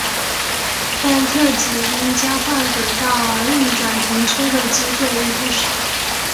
但特急因交换轨道而运转停车的机会亦不少。